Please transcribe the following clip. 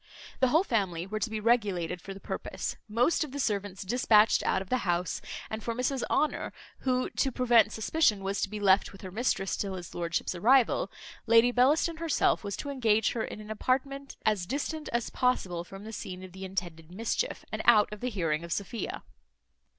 The whole family were to be regulated for the purpose, most of the servants despatched out of the house; and for Mrs Honour, who, to prevent suspicion, was to be left with her mistress till his lordship's arrival, Lady Bellaston herself was to engage her in an apartment as distant as possible from the scene of the intended mischief, and out of the hearing of Sophia.